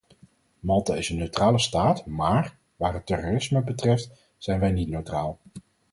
Malta is een neutrale staat maar, waar het terrorisme betreft, zijn wij niet neutraal.